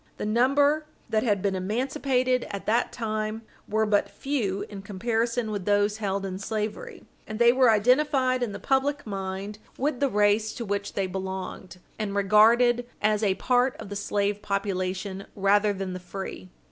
The number that had been emancipated at that time were but few in comparison with those held in slavery, and they were identified in the public mind with the race to which they belonged, and regarded as a part of the slave population rather than the free.